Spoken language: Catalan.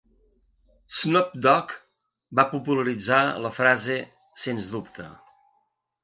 Snoop Dog va popularitzar la frase "Sens dubte".